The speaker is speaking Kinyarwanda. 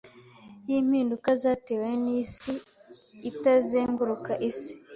yimpinduka zatewe nisi itazenguruka isi